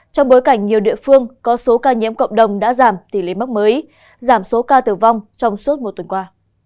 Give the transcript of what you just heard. trong bối cảnh nhiều địa phương có số ca nhiễm cộng đồng đã giảm tỷ lệ mắc mới giảm số ca tử vong trong suốt một tuần qua